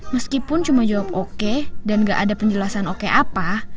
meskipun cuma jawab oke dan gak ada penjelasan oke apa